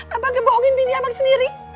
abang kebohongin lydia abang sendiri